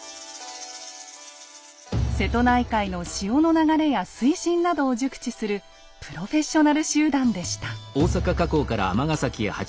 瀬戸内海の潮の流れや水深などを熟知するプロフェッショナル集団でした。